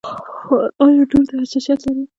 ایا دوړو ته حساسیت لرئ؟